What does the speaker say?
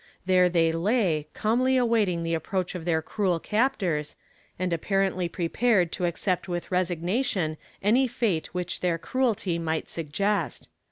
There they lay, calmly awaiting the approach of their cruel captors, and apparently prepared to accept with resignation any fate which their cruelty might suggest.